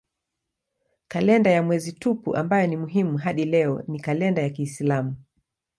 Kalenda ya mwezi tupu ambayo ni muhimu hadi leo ni kalenda ya kiislamu.